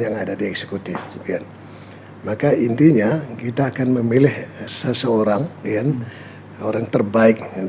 yang ada di eksekutif maka intinya kita akan memilih seseorang yang orang terbaik yang di